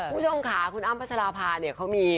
พี่อ้ามขาคุณอ้ามพัชราภาเขามี